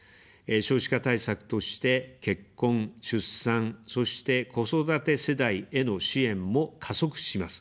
少子化対策として、結婚・出産、そして子育て世代への支援も加速します。